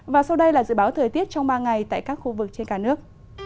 và sau đây là dự báo thời tiết trong ba ngày tại các khu vực trên cả nước